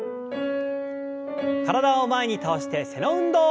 体を前に倒して背の運動。